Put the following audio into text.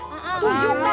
nggak tau namanya